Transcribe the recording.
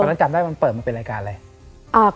นั้นจำได้มันเปิดมาเป็นรายการอะไร